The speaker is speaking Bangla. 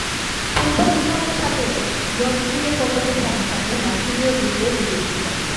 পূর্ব ভূমধ্যসাগরে ব্রোঞ্জ যুগের পতনের সাথে সাথে মাইসিনীয় গ্রিসের বিলুপ্তি ঘটে।